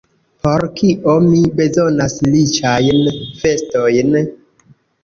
Por kio mi bezonas riĉajn vestojn?